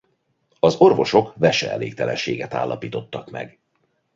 Az orvosok veseelégtelenséget állapítottak meg.